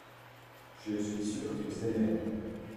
je suis sûr qu'ils aimèrent.